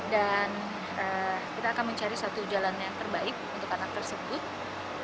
dan kita akan mencari suatu jalan yang terbaik untuk anak tersebut